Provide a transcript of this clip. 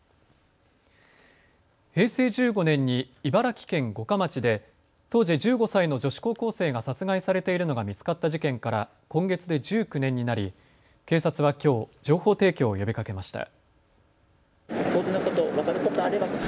平成１５年に茨城県五霞町で当時１５歳の女子高校生が殺害されているのが見つかった事件から今月で１９年になり警察はきょう情報提供を呼びかけました。